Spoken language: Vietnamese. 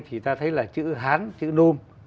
thì ta thấy là chữ hán chữ nôm